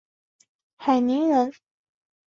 海宁人。